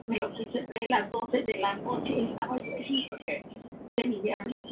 Cabe decir, para terminar, que esta reacción es muy importante en procesos catalíticos.